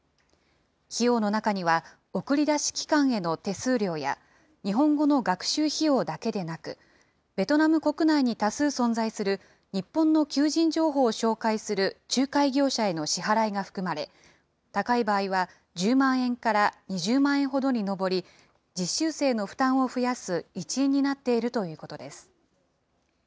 費用の中には、送り出し機関への手数料や、日本語の学習費用だけでなく、ベトナム国内に多数存在する、日本の求人情報を紹介する仲介業者への支払いが含まれ、高い場合は、１０万円から２０万円ほどに上り、実習生の負担を増やす一因になっているということです。